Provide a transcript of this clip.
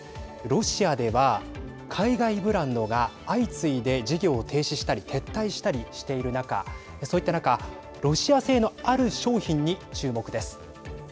ロシアでは海外ブランドが相次いで事業を停止したり撤退したりしている中そういった中ロシア製のある商品に注目です。